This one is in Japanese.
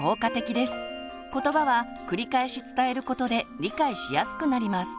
ことばは繰り返し伝えることで理解しやすくなります。